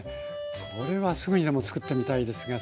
これはすぐにでも作ってみたいですが。